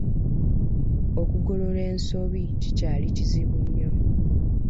Okugolola ensobi kikyali kizibu kyo.